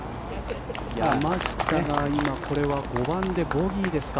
山下が今、５番でボギーですか。